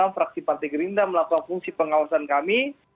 fraksi partai gerindra melakukan fungsi pengawasan kami